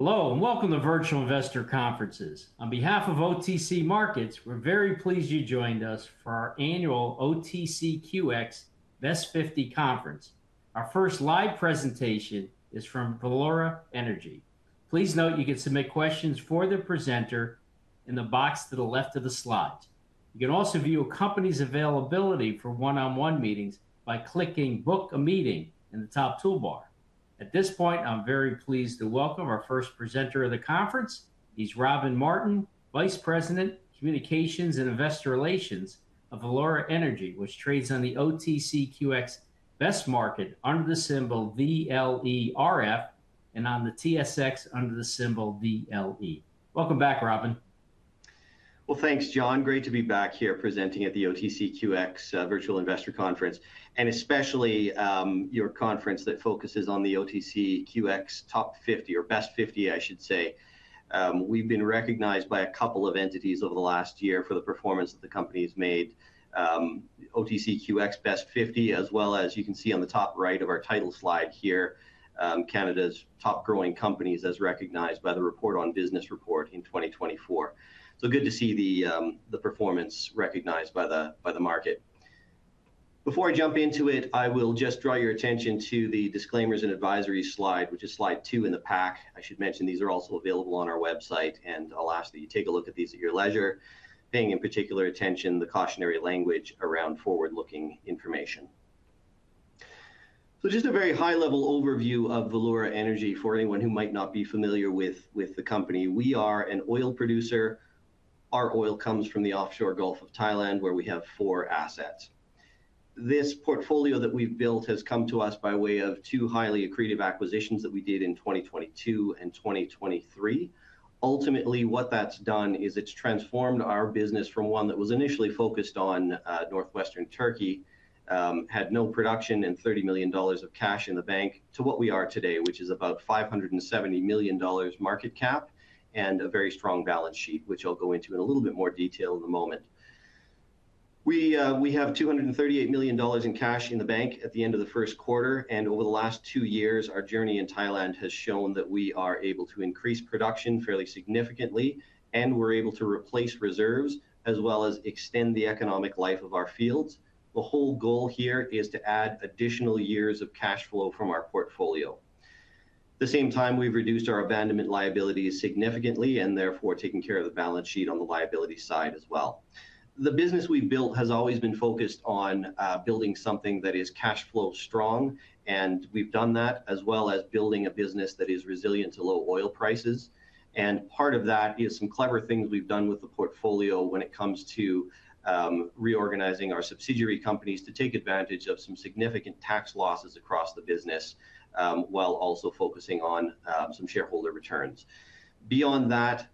Hello, and welcome to Virtual Investor Conferences. On behalf of OTC Markets, we're very pleased you joined us for our annual OTCQX Best 50 Conference. Our first live presentation is from Valeura Energy. Please note you can submit questions for the presenter in the box to the left of the slides. You can also view a company's availability for one-on-one meetings by clicking "Book a Meeting" in the top toolbar. At this point, I'm very pleased to welcome our first presenter of the conference. He's Robin Martin, Vice President, Communications and Investor Relations of Valeura Energy, which trades on the OTCQX Best Market under the symbol VLERF and on the TSX under the symbol VLE. Welcome back, Robin. Thanks, John. Great to be back here presenting at the OTCQX Virtual Investor Conference, and especially your conference that focuses on the OTCQX Best 50. We have been recognized by a couple of entities over the last year for the performance that the company has made. OTCQX Best 50, as well as, you can see on the top right of our title slide here, Canada's top growing companies as recognized by the Report on Business report in 2024. Good to see the performance recognized by the market. Before I jump into it, I will just draw your attention to the disclaimers and advisory slide, which is slide two in the pack. I should mention these are also available on our website, and I'll ask that you take a look at these at your leisure, paying in particular attention to the cautionary language around forward-looking information. Just a very high-level overview of Valeura Energy for anyone who might not be familiar with the company. We are an oil producer. Our oil comes from the offshore Gulf of Thailand, where we have four assets. This portfolio that we've built has come to us by way of two highly accretive acquisitions that we did in 2022 and 2023. Ultimately, what that's done is it's transformed our business from one that was initially focused on Northwestern Turkey, had no production, and $30 million of cash in the bank to what we are today, which is about $570 million market cap and a very strong balance sheet, which I'll go into in a little bit more detail in a moment. We have $238 million in cash in the bank at the end of Q1, and over the last two years, our journey in Thailand has shown that we are able to increase production fairly significantly, and we're able to replace reserves as well as extend the economic life of our fields. The whole goal here is to add additional years of cash flow from our portfolio. At the same time, we've reduced our abandonment liabilities significantly and therefore taken care of the balance sheet on the liability side as well. The business we've built has always been focused on building something that is cash flow strong, and we've done that as well as building a business that is resilient to low oil prices. Part of that is some clever things we've done with the portfolio when it comes to reorganizing our subsidiary companies to take advantage of some significant tax losses across the business while also focusing on some shareholder returns. Beyond that,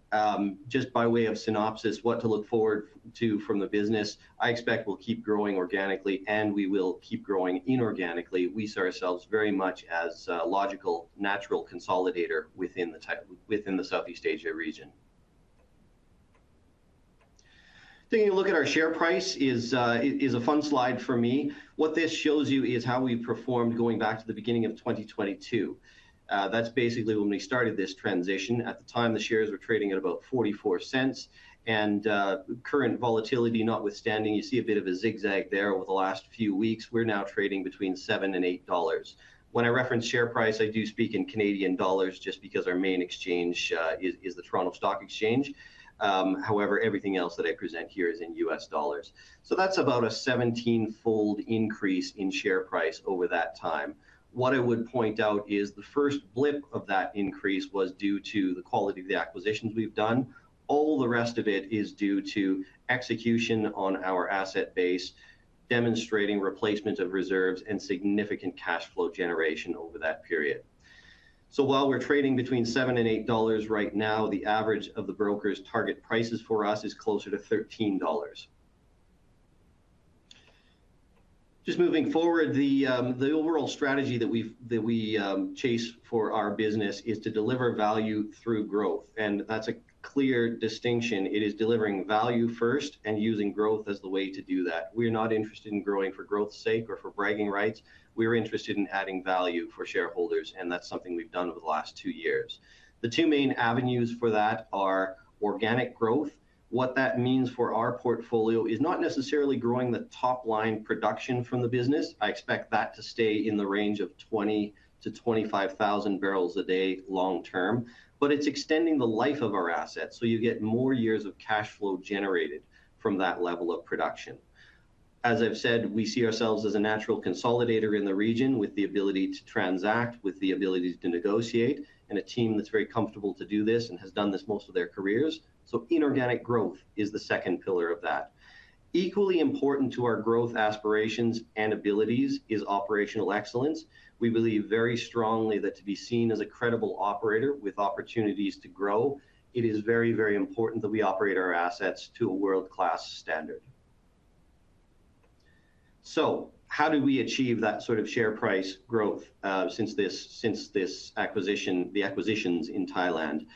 just by way of synopsis, what to look forward to from the business, I expect we'll keep growing organically, and we will keep growing inorganically. We see ourselves very much as a logical, natural consolidator within the Southeast Asia region. Taking a look at our share price is a fun slide for me. What this shows you is how we performed going back to the beginning of 2022. That is basically when we started this transition. At the time, the shares were trading at about 0.44, and current volatility notwithstanding, you see a bit of a zigzag there over the last few weeks. We are now trading between 7 and 8. When I reference share price, I do speak in Canadian dollars just because our main exchange is the Toronto Stock Exchange. However, everything else that I present here is in US dollars. That is about a 17-fold increase in share price over that time. What I would point out is the first blip of that increase was due to the quality of the acquisitions we have done. All the rest of it is due to execution on our asset base, demonstrating replacement of reserves and significant cash flow generation over that period. While we're trading between $7 and 8 right now, the average of the broker's target prices for us is closer to $13. Moving forward, the overall strategy that we chase for our business is to deliver value through growth, and that's a clear distinction. It is delivering value first and using growth as the way to do that. We're not interested in growing for growth's sake or for bragging rights. We're interested in adding value for shareholders, and that's something we've done over the last two years. The two main avenues for that are organic growth. What that means for our portfolio is not necessarily growing the top-line production from the business. I expect that to stay in the range of 20,000 to 25,000 barrels a day long-term, but it is extending the life of our assets. You get more years of cash flow generated from that level of production. As I have said, we see ourselves as a natural consolidator in the region with the ability to transact, with the ability to negotiate, and a team that is very comfortable to do this and has done this most of their careers. Inorganic growth is the second pillar of that. Equally important to our growth aspirations and abilities is operational excellence. We believe very strongly that to be seen as a credible operator with opportunities to grow, it is very, very important that we operate our assets to a world-class standard. How do we achieve that sort of share price growth since this acquisition, the acquisitions in Thailand?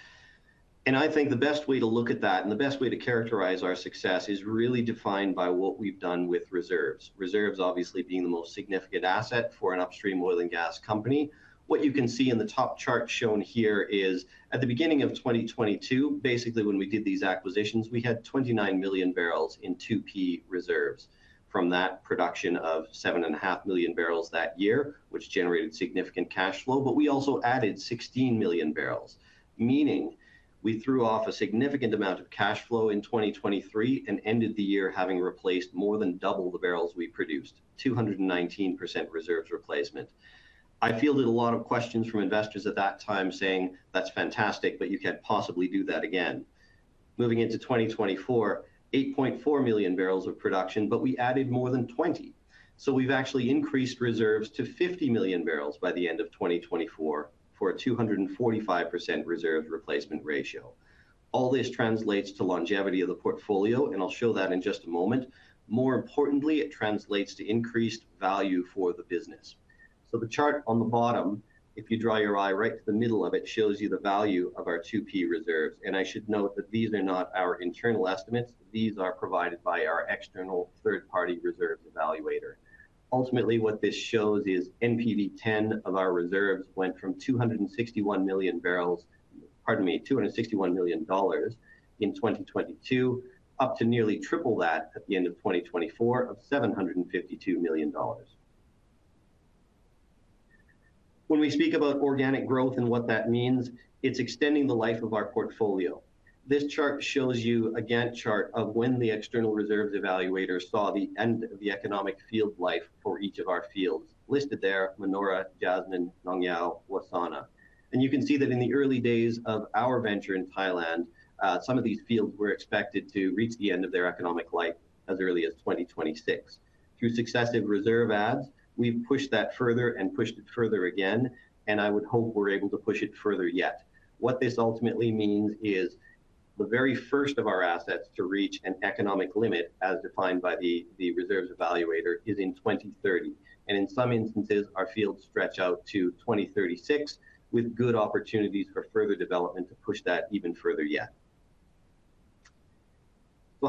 I think the best way to look at that and the best way to characterize our success is really defined by what we've done with reserves. Reserves, obviously, being the most significant asset for an upstream oil and gas company. What you can see in the top chart shown here is, at the beginning of 2022, basically when we did these acquisitions, we had 29 million barrels in 2P reserves from that production of 7.5 million barrels that year, which generated significant cash flow, but we also added 16 million barrels, meaning we threw off a significant amount of cash flow in 2023 and ended the year having replaced more than double the barrels we produced, 219% reserves replacement. I fielded a lot of questions from investors at that time saying, "That's fantastic, but you can't possibly do that again." Moving into 2024, 8.4 million barrels of production, but we added more than 20. We have actually increased reserves to 50 million barrels by the end of 2024 for a 245% reserves replacement ratio. All this translates to longevity of the portfolio, and I will show that in just a moment. More importantly, it translates to increased value for the business. The chart on the bottom, if you draw your eye right to the middle of it, shows you the value of our 2P reserves. I should note that these are not our internal estimates. These are provided by our external third-party reserves evaluator. Ultimately, what this shows is NPV10 of our reserves went from $261 million in 2022, up to nearly triple that at the end of 2024 of $752 million. When we speak about organic growth and what that means, it's extending the life of our portfolio. This chart shows you a Gantt chart of when the external reserves evaluator saw the end of the economic field life for each of our fields listed there: Manora, Jasmine, Nong Yao, Wassana. You can see that in the early days of our venture in Thailand, some of these fields were expected to reach the end of their economic life as early as 2026. Through successive reserve adds, we've pushed that further and pushed it further again, and I would hope we're able to push it further yet. What this ultimately means is the very first of our assets to reach an economic limit as defined by the reserves evaluator is in 2030. In some instances, our fields stretch out to 2036 with good opportunities for further development to push that even further yet.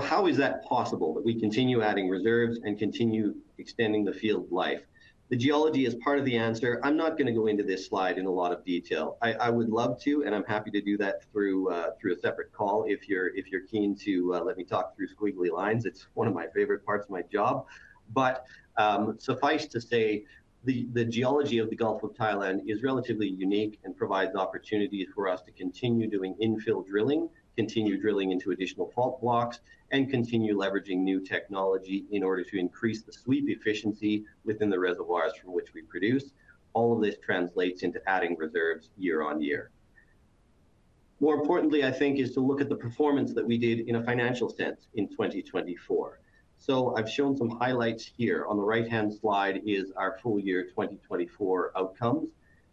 How is that possible that we continue adding reserves and continue extending the field life? The geology is part of the answer. I'm not going to go into this slide in a lot of detail. I would love to, and I'm happy to do that through a separate call if you're keen to let me talk through squiggly lines. It's one of my favorite parts of my job. Suffice to say, the geology of the Gulf of Thailand is relatively unique and provides opportunities for us to continue doing infill drilling, continue drilling into additional fault blocks, and continue leveraging new technology in order to increase the sweep efficiency within the reservoirs from which we produce. All of this translates into adding reserves year-on-year. More importantly, I think, is to look at the performance that we did in a financial sense in 2024. I have shown some highlights here. On the right-hand slide is our full year 2024 outcomes.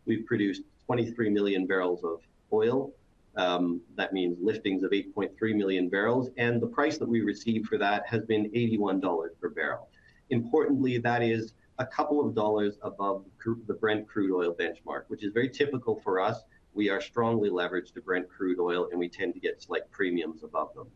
We have produced 23 million barrels of oil. That means liftings of 8.3 million barrels, and the price that we received for that has been $81 per barrel. Importantly, that is a couple of dollars above the Brent crude oil benchmark, which is very typical for us. We are strongly leveraged to Brent crude oil, and we tend to get slight premiums above them.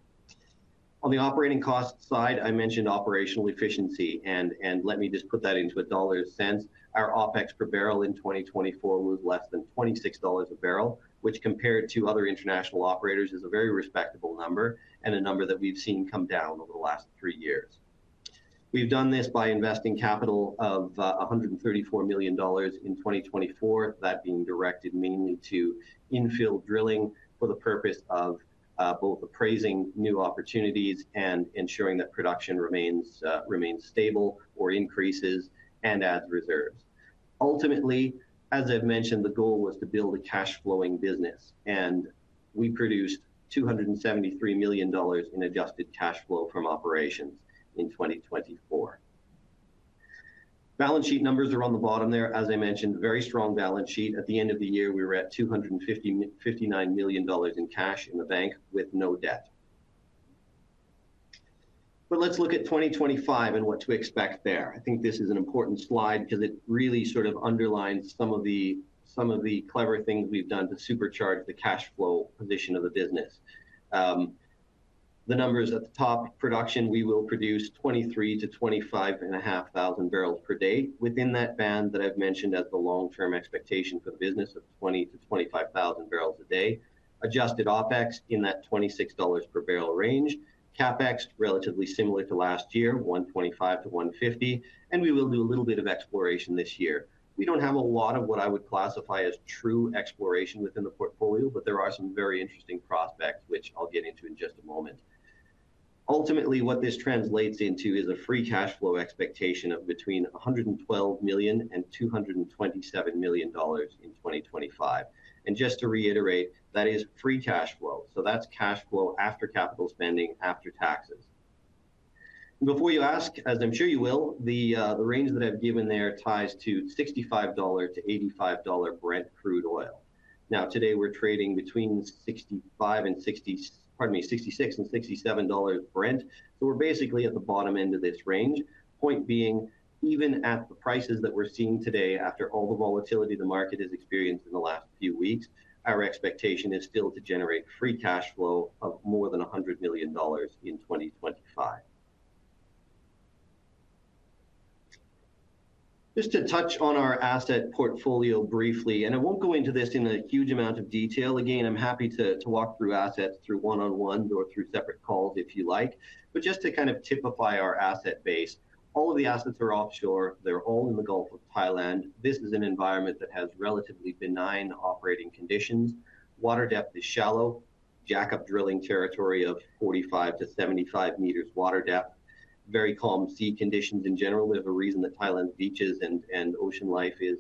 On the operating cost side, I mentioned operational efficiency, and let me just put that into a dollar sense. Our OPEX per barrel in 2024 was less than $26 a barrel, which compared to other international operators is a very respectable number and a number that we've seen come down over the last three years. We've done this by investing capital of $134 million in 2024, that being directed mainly to infill drilling for the purpose of both appraising new opportunities and ensuring that production remains stable or increases and adds reserves. Ultimately, as I've mentioned, the goal was to build a cash-flowing business, and we produced $273 million in adjusted cash flow from operations in 2024. Balance sheet numbers are on the bottom there. As I mentioned, very strong balance sheet. At the end of the year, we were at $259 million in cash in the bank with no debt. Let's look at 2025 and what to expect there. I think this is an important slide because it really sort of underlines some of the clever things we've done to supercharge the cash flow position of the business. The numbers at the top production, we will produce 23,000 to 25,500 barrels per day. Within that band that I've mentioned as the long-term expectation for the business of 20,000 to 25,000 barrels a day, adjusted OPEX in that $26 per barrel range, CAPEX relatively similar to last year, $125 to 150 million, and we will do a little bit of exploration this year. We do not have a lot of what I would classify as true exploration within the portfolio, but there are some very interesting prospects, which I will get into in just a moment. Ultimately, what this translates into is a free cash flow expectation of between $112 million and $227 million in 2025. Just to reiterate, that is free cash flow. That is cash flow after capital spending, after taxes. Before you ask, as I am sure you will, the range that I have given there ties to $65 to 85 Brent crude oil. Now, today we are trading between $66 and 67 Brent. We are basically at the bottom end of this range. Point being, even at the prices that we're seeing today, after all the volatility the market has experienced in the last few weeks, our expectation is still to generate free cash flow of more than $100 million in 2025. Just to touch on our asset portfolio briefly, and I won't go into this in a huge amount of detail. Again, I'm happy to walk through assets through one-on-ones or through separate calls if you like, but just to kind of typify our asset base, all of the assets are offshore. They're all in the Gulf of Thailand. This is an environment that has relatively benign operating conditions. Water depth is shallow, jack-up drilling territory of 45 to 75 meters water depth, very calm sea conditions in general. There's a reason that Thailand's beaches and ocean life is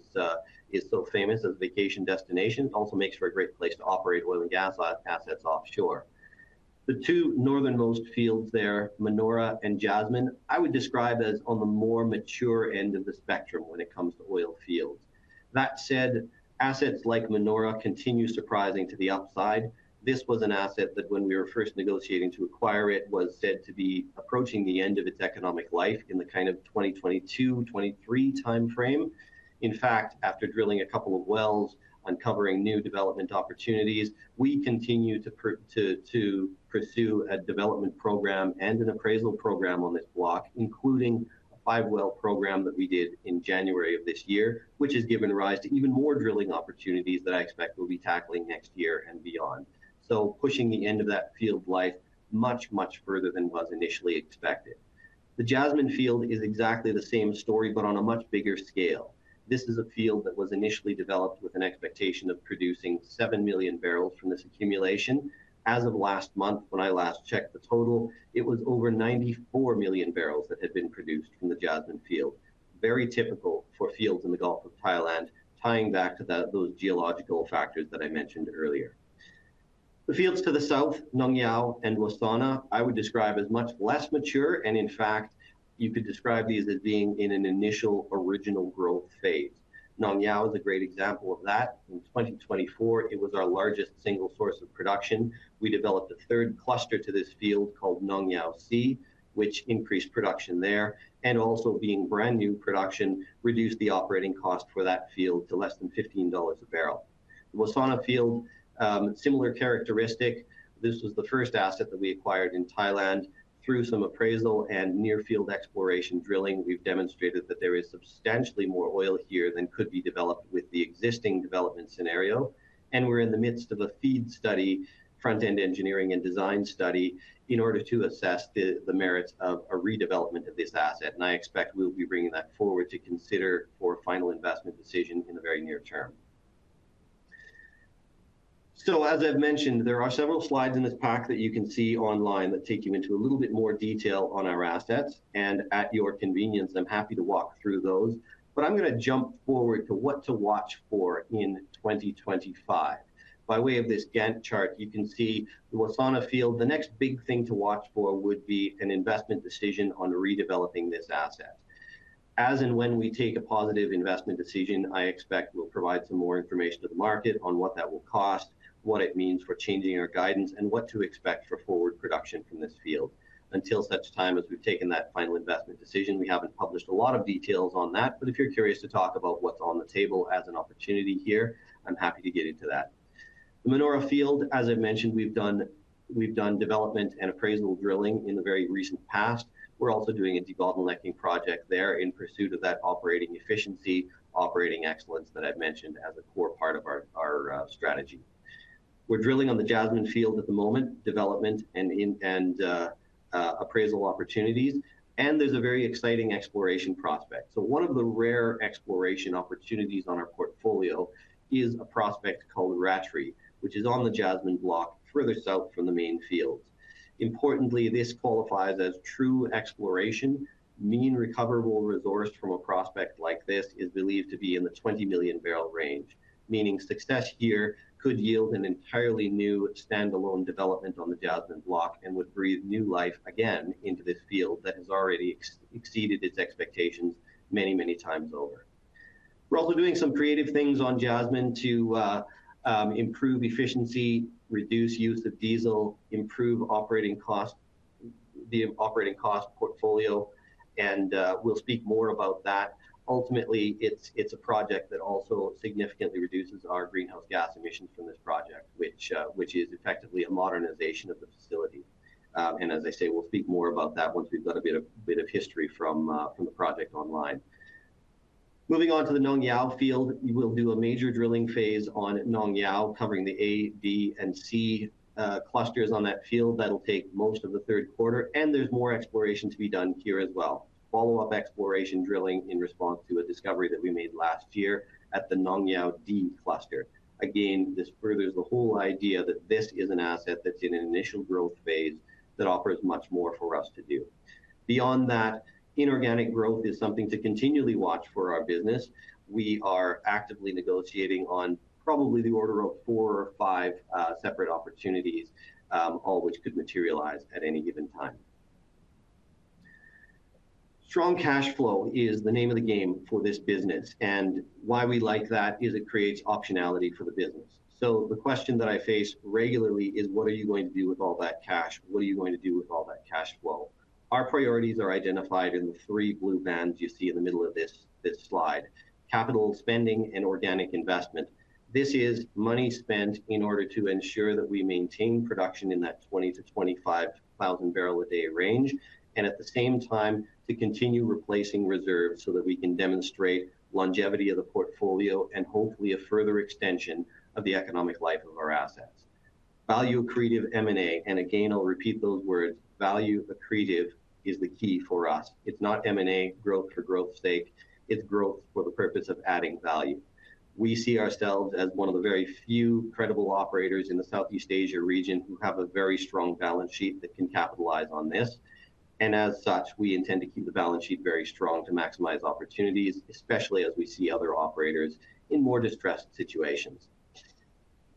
so famous as a vacation destination. It also makes for a great place to operate oil and gas assets offshore. The two northernmost fields there, Manora and Jasmine, I would describe as on the more mature end of the spectrum when it comes to oil fields. That said, assets like Manora continue surprising to the upside. This was an asset that when we were first negotiating to acquire it was said to be approaching the end of its economic life in the kind of 2022, 2023 timeframe. In fact, after drilling a couple of wells, uncovering new development opportunities, we continue to pursue a development program and an appraisal program on this block, including a five-well program that we did in January of this year, which has given rise to even more drilling opportunities that I expect we'll be tackling next year and beyond. Pushing the end of that field life much, much further than was initially expected. The Jasmine field is exactly the same story, but on a much bigger scale. This is a field that was initially developed with an expectation of producing 7 million barrels from this accumulation. As of last month, when I last checked the total, it was over 94 million barrels that had been produced from the Jasmine field. Very typical for fields in the Gulf of Thailand, tying back to those geological factors that I mentioned earlier. The fields to the south, Nong Yao and Wassana, I would describe as much less mature, and in fact, you could describe these as being in an initial original growth phase. Nong Yao is a great example of that. In 2024, it was our largest single source of production. We developed a third cluster to this field called Nong Yao C, which increased production there, and also being brand new production, reduced the operating cost for that field to less than $15 a barrel. The Wassana field, similar characteristic, this was the first asset that we acquired in Thailand. Through some appraisal and near-field exploration drilling, we've demonstrated that there is substantially more oil here than could be developed with the existing development scenario. We are in the midst of a FEED study, front-end engineering and design study in order to assess the merits of a redevelopment of this asset. I expect we'll be bringing that forward to consider for final investment decision in the very near term. As I've mentioned, there are several slides in this pack that you can see online that take you into a little bit more detail on our assets. At your convenience, I'm happy to walk through those. I'm going to jump forward to what to watch for in 2025. By way of this Gantt chart, you can see the Wassana field. The next big thing to watch for would be an investment decision on redeveloping this asset. As and when we take a positive investment decision, I expect we'll provide some more information to the market on what that will cost, what it means for changing our guidance, and what to expect for forward production from this field. Until such time as we've taken that final investment decision, we haven't published a lot of details on that. If you're curious to talk about what's on the table as an opportunity here, I'm happy to get into that. The Manora field, as I've mentioned, we've done development and appraisal drilling in the very recent past. We're also doing a debottlenecking project there in pursuit of that operating efficiency, operating excellence that I've mentioned as a core part of our strategy. We're drilling on the Jasmine field at the moment, development and appraisal opportunities, and there's a very exciting exploration prospect. One of the rare exploration opportunities in our portfolio is a prospect called Ratree, which is on the Jasmine block further south from the main fields. Importantly, this qualifies as true exploration. Mean recoverable resource from a prospect like this is believed to be in the 20 million barrel range, meaning success here could yield an entirely new standalone development on the Jasmine block and would breathe new life again into this field that has already exceeded its expectations many, many times over. We're also doing some creative things on Jasmine to improve efficiency, reduce use of diesel, improve operating costs, the operating cost portfolio, and we'll speak more about that. Ultimately, it's a project that also significantly reduces our greenhouse gas emissions from this project, which is effectively a modernization of the facility. As I say, we'll speak more about that once we've got a bit of history from the project online. Moving on to the Nong Yao field, we will do a major drilling phase on Nong Yao, covering the A, B, and C clusters on that field. That'll take most of the Q3, and there's more exploration to be done here as well. Follow-up exploration drilling in response to a discovery that we made last year at the Nong Yao D cluster. Again, this furthers the whole idea that this is an asset that's in an initial growth phase that offers much more for us to do. Beyond that, inorganic growth is something to continually watch for our business. We are actively negotiating on probably the order of four or five separate opportunities, all which could materialize at any given time. Strong cash flow is the name of the game for this business, and why we like that is it creates optionality for the business. The question that I face regularly is, what are you going to do with all that cash? What are you going to do with all that cash flow? Our priorities are identified in the three blue bands you see in the middle of this slide: capital spending and organic investment. This is money spent in order to ensure that we maintain production in that 20,000 to 25,000 barrel a day range, and at the same time, to continue replacing reserves so that we can demonstrate longevity of the portfolio and hopefully a further extension of the economic life of our assets. Value accretive M&A, and again, I'll repeat those words, value accretive is the key for us. It's not M&A growth for growth's sake. It's growth for the purpose of adding value. We see ourselves as one of the very few credible operators in the Southeast Asia region who have a very strong balance sheet that can capitalize on this. As such, we intend to keep the balance sheet very strong to maximize opportunities, especially as we see other operators in more distressed situations.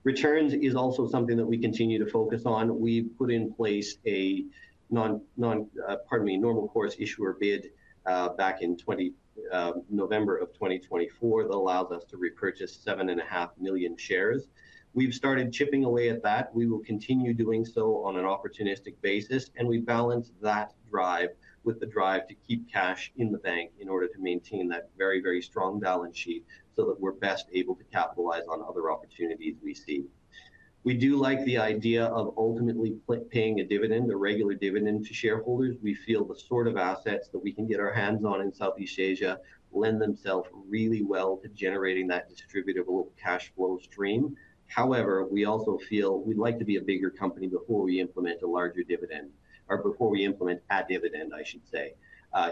Returns is also something that we continue to focus on. We put in place a, pardon me, normal course issuer bid back in November of 2024 that allows us to repurchase 7.5 million shares. We've started chipping away at that. We will continue doing so on an opportunistic basis, and we balance that drive with the drive to keep cash in the bank in order to maintain that very, very strong balance sheet so that we're best able to capitalize on other opportunities we see. We do like the idea of ultimately paying a dividend, a regular dividend to shareholders. We feel the sort of assets that we can get our hands on in Southeast Asia lend themselves really well to generating that distributable cash flow stream. However, we also feel we'd like to be a bigger company before we implement a larger dividend, or before we implement a dividend, I should say.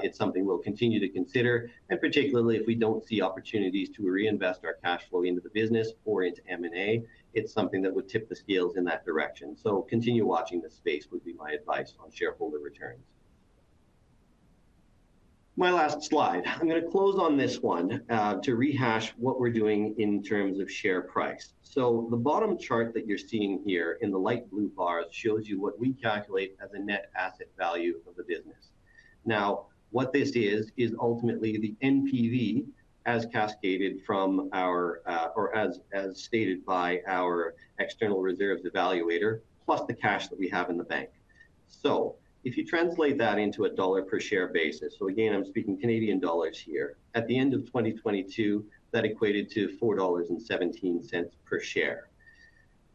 It's something we'll continue to consider, and particularly if we don't see opportunities to reinvest our cash flow into the business or into M&A, it's something that would tip the scales in that direction. Continue watching this space would be my advice on shareholder returns. My last slide. I'm going to close on this one to rehash what we're doing in terms of share price. The bottom chart that you're seeing here in the light blue bars shows you what we calculate as a net asset value of the business. Now, what this is, is ultimately the NPV as cascaded from our, or as stated by our external reserves evaluator, plus the cash that we have in the bank. If you translate that into a dollar per share basis, again, I'm speaking Canadian dollars here, at the end of 2022, that equated to 4.17 dollars per share.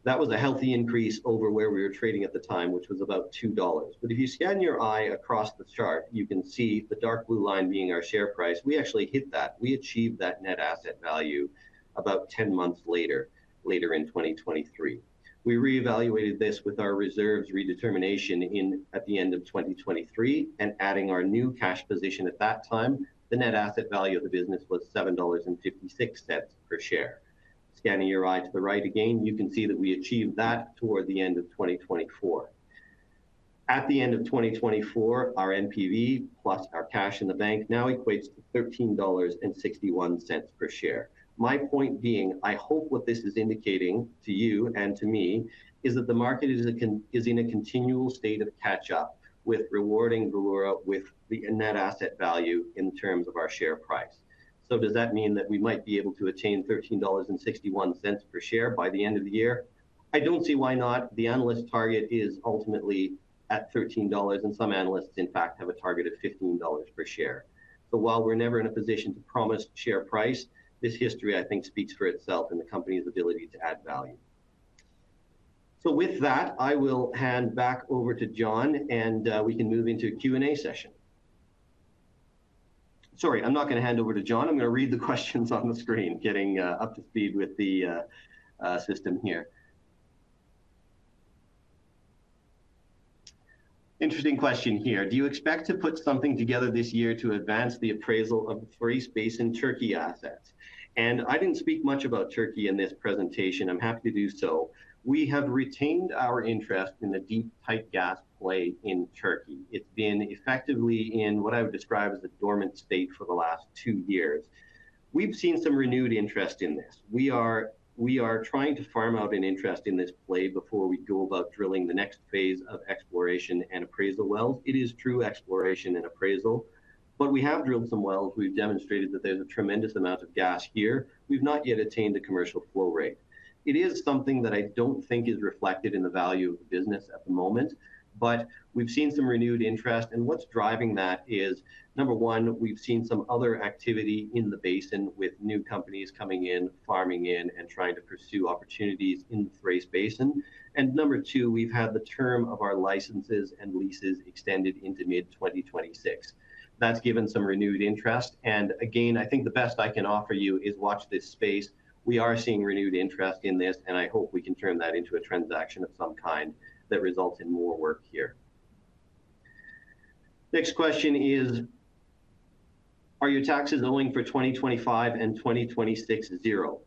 That was a healthy increase over where we were trading at the time, which was about $2. If you scan your eye across the chart, you can see the dark blue line being our share price. We actually hit that. We achieved that net asset value about 10 months later, later in 2023. We reevaluated this with our reserves redetermination at the end of 2023 and adding our new cash position at that time. The net asset value of the business was $7.56 per share. Scanning your eye to the right again, you can see that we achieved that toward the end of 2024. At the end of 2024, our NPV plus our cash in the bank now equates to $13.61 per share. My point being, I hope what this is indicating to you and to me, is that the market is in a continual state of catch-up with rewarding Valeura with the net asset value in terms of our share price. Does that mean that we might be able to attain $13.61 per share by the end of the year? I do not see why not. The analyst target is ultimately at $13, and some analysts, in fact, have a target of $15 per share. While we are never in a position to promise share price, this history, I think, speaks for itself in the company's ability to add value. With that, I will hand back over to John, and we can move into a Q&A session. Sorry, I am not going to hand over to John. I'm going to read the questions on the screen, getting up to speed with the system here. Interesting question here. Do you expect to put something together this year to advance the appraisal of the Thrace Basin Turkey assets? I did not speak much about Turkey in this presentation. I'm happy to do so. We have retained our interest in the deep tight gas play in Turkey. It has been effectively, in what I would describe as a dormant state for the last two years. We have seen some renewed interest in this. We are trying to farm out an interest in this play before we go about drilling the next phase of exploration and appraisal wells. It is true exploration and appraisal, but we have drilled some wells. We have demonstrated that there is a tremendous amount of gas here. We have not yet attained the commercial flow rate. It is something that I do not think is reflected in the value of the business at the moment, but we have seen some renewed interest. What is driving that is, number one, we have seen some other activity in the basin with new companies coming in, farming in, and trying to pursue opportunities in the Thrace Basin. Number two, we have had the term of our licenses and leases extended into mid-2026. That has given some renewed interest. I think the best I can offer you is watch this space. We are seeing renewed interest in this, and I hope we can turn that into a transaction of some kind that results in more work here. Next question is, are your taxes owing for 2025 and 2026 zero?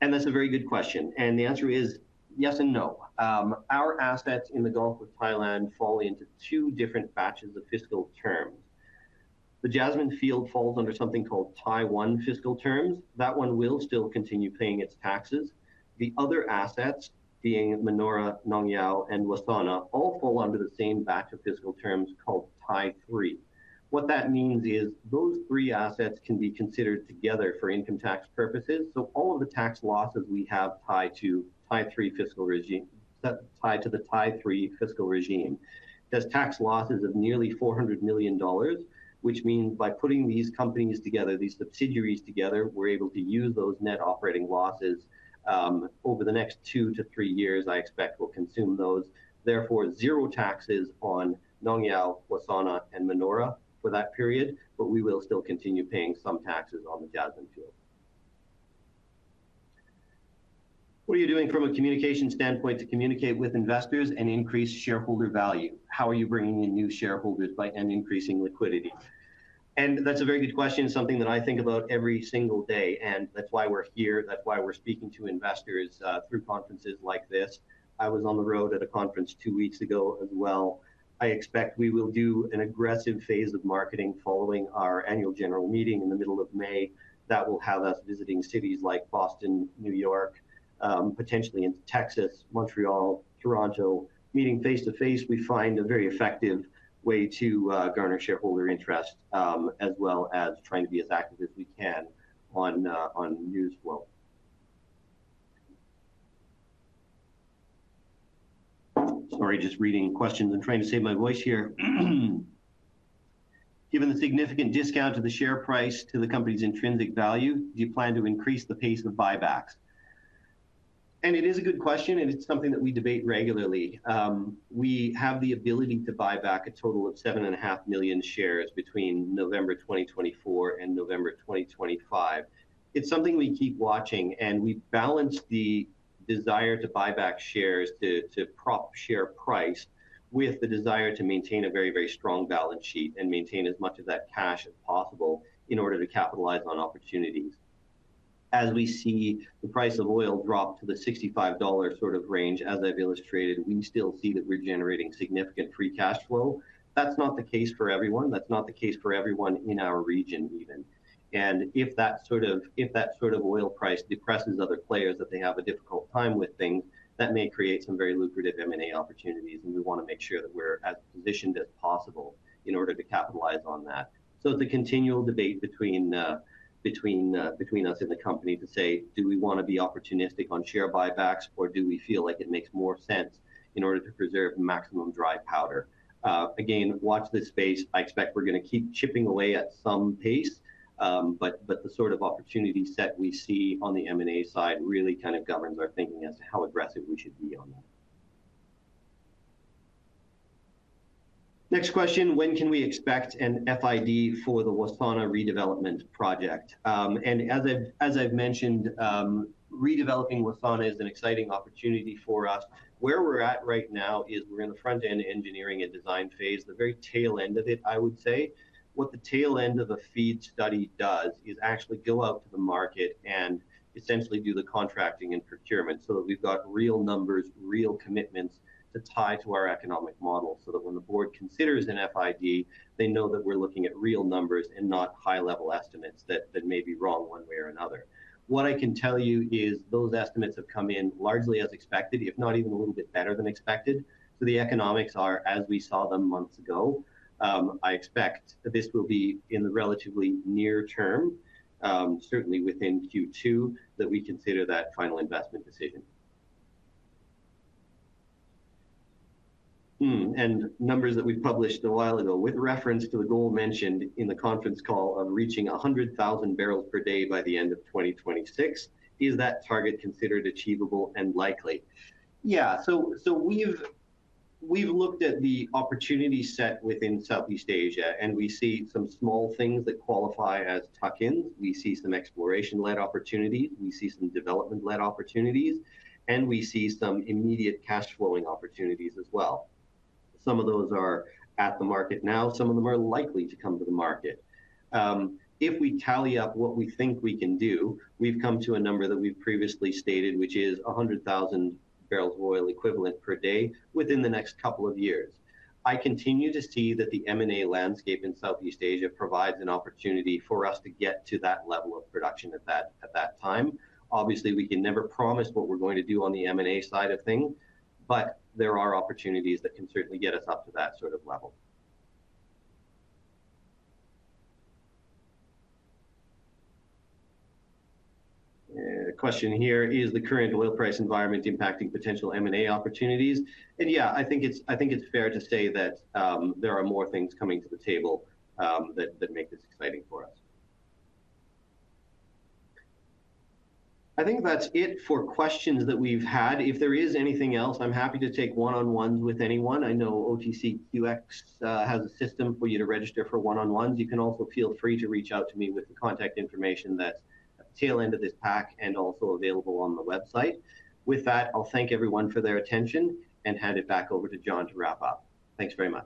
That is a very good question. The answer is yes and no. Our assets in the Gulf of Thailand fall into two different batches of fiscal terms. The Jasmine field falls under something called Thai 1 fiscal terms. That one will still continue paying its taxes. The other assets, being Manora, Nong Yao, and Wasana, all fall under the same batch of fiscal terms called Thai 3. What that means is those three assets can be considered together for income tax purposes. All of the tax losses we have tied to Thai 3 fiscal regime, tied to the Thai 3 fiscal regime, there are tax losses of nearly $400 million, which means by putting these companies together, these subsidiaries together, we are able to use those net operating losses over the next two to three years. I expect we will consume those. Therefore, zero taxes on Nong Yao, Wassana, and Manora for that period, but we will still continue paying some taxes on the Jasmine field. What are you doing from a communication standpoint to communicate with investors and increase shareholder value? How are you bringing in new shareholders by increasing liquidity? That is a very good question, something that I think about every single day. That is why we are here. That is why we are speaking to investors through conferences like this. I was on the road at a conference two weeks ago as well. I expect we will do an aggressive phase of marketing following our annual general meeting in the middle of May. That will have us visiting cities like Boston, New York, potentially into Texas, Montreal, Toronto. Meeting face-to-face, we find a very effective way to garner shareholder interest as well as trying to be as active as we can on news flow. Sorry, just reading questions and trying to save my voice here. Given the significant discount to the share price to the company's intrinsic value, do you plan to increase the pace of buybacks? It is a good question, and it's something that we debate regularly. We have the ability to buy back a total of 7.5 million shares between November 2024 and November 2025. It's something we keep watching, and we balance the desire to buy back shares to prop share price with the desire to maintain a very, very strong balance sheet and maintain as much of that cash as possible in order to capitalize on opportunities. As we see the price of oil drop to the $65 sort of range, as I've illustrated, we still see that we're generating significant free cash flow. That's not the case for everyone. That's not the case for everyone in our region even. If that sort of oil price depresses other players that they have a difficult time with things, that may create some very lucrative M&A opportunities, and we want to make sure that we're as positioned as possible in order to capitalize on that. It is a continual debate between us and the company to say, do we want to be opportunistic on share buybacks, or do we feel like it makes more sense in order to preserve maximum dry powder? Again, watch this space. I expect we're going to keep chipping away at some pace, but the sort of opportunity set we see on the M&A side really kind of governs our thinking as to how aggressive we should be on that. Next question, when can we expect an FID for the Wassana redevelopment project? As I've mentioned, redeveloping Wassana is an exciting opportunity for us. Where we're at right now is we're in the front-end engineering and design phase, the very tail end of it, I would say. What the tail end of the FEED study does is actually go out to the market and essentially do the contracting and procurement so that we've got real numbers, real commitments to tie to our economic model so that when the board considers an FID, they know that we're looking at real numbers and not high-level estimates that may be wrong one way or another. What I can tell you is those estimates have come in largely as expected, if not even a little bit better than expected. The economics are, as we saw them months ago. I expect this will be in the relatively near term, certainly within Q2, that we consider that final investment decision. Numbers that we published a while ago with reference to the goal mentioned in the conference call of reaching 100,000 barrels per day by the end of 2026. Is that target considered achievable and likely? Yeah. We've looked at the opportunity set within Southeast Asia, and we see some small things that qualify as tuck-ins. We see some exploration-led opportunities. We see some development-led opportunities, and we see some immediate cash flowing opportunities as well. Some of those are at the market now. Some of them are likely to come to the market. If we tally up what we think we can do, we've come to a number that we've previously stated, which is 100,000 barrels of oil equivalent per day within the next couple of years. I continue to see that the M&A landscape in Southeast Asia provides an opportunity for us to get to that level of production at that time. Obviously, we can never promise what we're going to do on the M&A side of things, but there are opportunities that can certainly get us up to that sort of level. Question here, is the current oil price environment impacting potential M&A opportunities? Yeah, I think it's fair to say that there are more things coming to the table that make this exciting for us. I think that's it for questions that we've had. If there is anything else, I'm happy to take one-on-ones with anyone. I know OTCQX has a system for you to register for one-on-ones. You can also feel free to reach out to me with the contact information that's at the tail end of this pack and also available on the website. With that, I'll thank everyone for their attention and hand it back over to John to wrap up. Thanks very much.